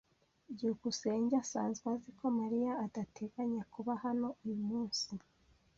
byukusenge asanzwe azi ko Mariya adateganya kuba hano uyu munsi.